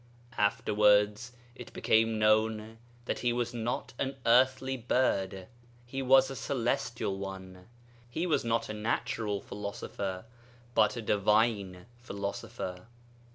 Afterwards it became known that he was not an earthly bird, he was a celestial one; he was not a natural philosopher, but a divine philosopher.